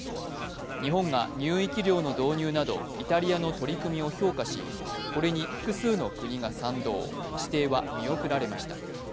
日本が入域料の導入などイタリアの取り組みを評価し、これに複数の国が賛同、指定は見送られました。